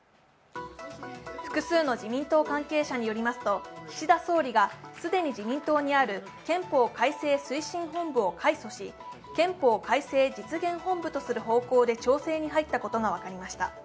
複数の自民党関係者によりますと岸田総理が既に自民党にある憲法開戦推進本部を改組し、憲法改正実現本部とする方向で調整に入ったことが分かりました。